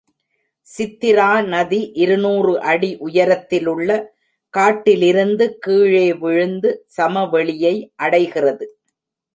சித்திரா நதி இருநூறு அடி உயரத்திலுள்ள காட்டிலிருந்து கீழே விழுந்து சமவெளியை அடைகிறது.